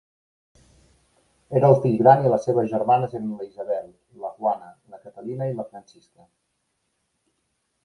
Era el fill gran i les seves germanes eren la Isabel, la Juana, la Catalina i la Francisca.